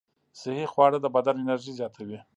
صحي خواړه د بدن انرژي زیاتوي.